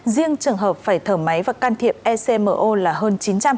riêng trường hợp phải thở máy và can thiệp ecmo là hơn chín trăm linh